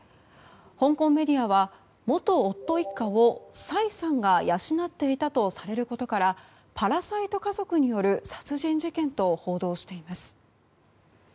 香港メディアは元夫一家をサイさんが養っていたとされることからパラサイト家族による殺人事件と報道しています。